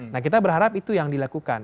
nah kita berharap itu yang dilakukan